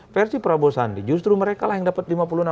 versi prabowo sandi justru mereka lah yang dapat lima puluh enam